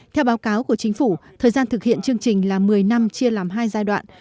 theo báo cáo của chính phủ thời gian thực hiện chương trình là một mươi năm chia làm hai giai đoạn